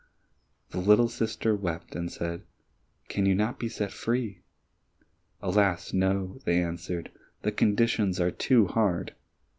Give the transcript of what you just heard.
The little sister wept and said, "Can you not be set free?" "Alas, no," they answered, "the conditions are too hard!